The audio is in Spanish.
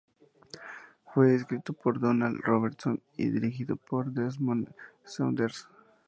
Fue escrito por Donald Robertson y dirigido por Desmond Saunders.